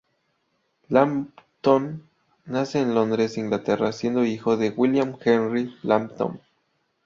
Lambton nace en Londres, Inglaterra; siendo hijo de William Henry Lambton.